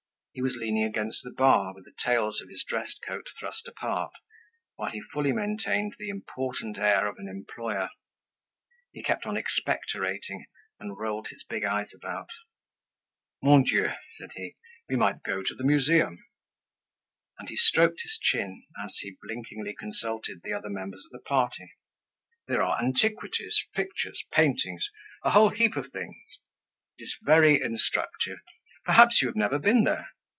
He was leaning against the bar, with the tails of his dress coat thrust apart, while he fully maintained the important air of an employer. He kept on expectorating, and rolled his big eyes about. "Mon Dieu!" said he, "we might go to the Museum." And he stroked his chin, as he blinkingly consulted the other members of the party. "There are antiquities, pictures, paintings, a whole heap of things. It is very instructive. Perhaps you have never been there.